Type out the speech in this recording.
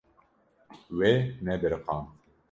Wê nebiriqand.